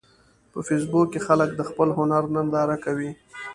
په فېسبوک کې خلک د خپل هنر ننداره کوي